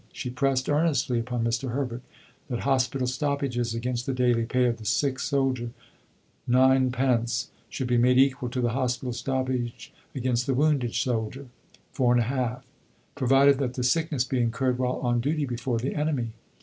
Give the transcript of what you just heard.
She pressed earnestly upon Mr. Herbert that hospital stoppages against the daily pay of the sick soldier (9d.) should be made equal to the hospital stoppage against the wounded soldier (4 1/2.), provided that the sickness be incurred while on duty before the enemy.